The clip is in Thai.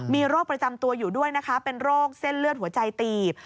มีโรคประจำตัวอยู่ด้วยนะคะเป็นโรคเส้นเลือดหัวใจตีบ